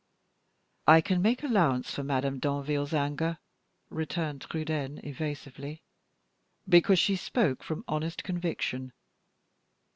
"I can make allowance for Madame Danville's anger," returned Trudaine, evasively, "because she spoke from honest conviction."